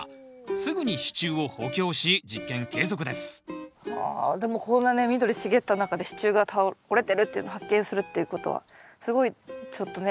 すぐに支柱を補強し実験継続ですはあでもこんなね緑茂った中で支柱が折れてるっていうのを発見するっていうことはすごいちょっとね